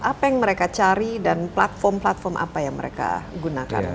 apa yang mereka cari dan platform platform apa yang mereka gunakan